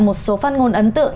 một số phát ngôn ấn tượng